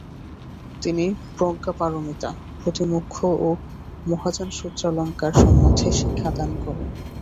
তিনি প্রজ্ঞাপারমিতা, প্রতিমোক্ষ ও মহাযানসূত্রালঙ্কার সম্বন্ধে শিক্ষা দান করেন।